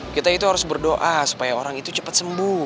kita itu harus berdoa supaya orang itu cepat sembuh